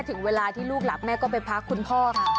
ถึงเวลาที่ลูกหลับแม่ก็ไปพักคุณพ่อค่ะ